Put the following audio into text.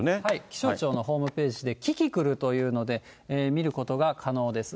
気象庁のホームページで、キキクルというので見ることが可能です。